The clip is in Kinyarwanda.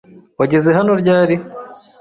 Wageze hano ryari?